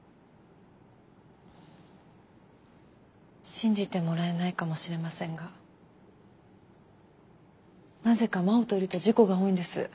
信じてもらえないかもしれませんがなぜか真央といると事故が多いんです。